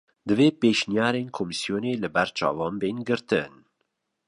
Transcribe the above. Divê pêşniyarên komîsyonê li ber çavan bên girtin